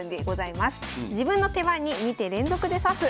自分の手番に二手連続で指す